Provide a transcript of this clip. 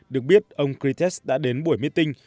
được biết ông kretes đã đến buổi meeting